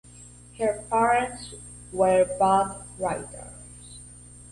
Her parents were both writers.